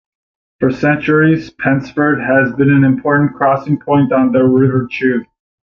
For centuries Pensford has been an important crossing point on the River Chew.